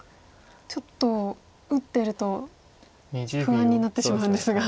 ちょっと打ってると不安になってしまうんですが。